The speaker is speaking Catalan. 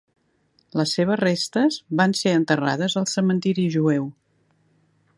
Les seves restes van ser enterrades al cementiri jueu.